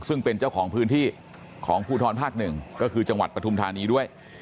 ซึ่งเป็นเจ้าของพื้นที่ของภูทรภาคหนึ่งก็คือจังหวัดปฐุมธานีด้วย